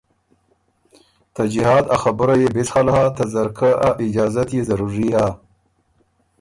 ته جهاد ا خبُره يې بڅخل هۀ ته ځرکۀ ا اجازت يې ضروری هۀ